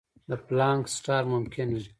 د پلانک سټار ممکن وي.